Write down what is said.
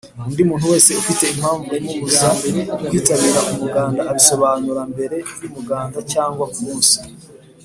undi muntu wese ufite impamvu imubuza kwitabira umuganda abisobanuramberey’umuganda cyangwa ku munsi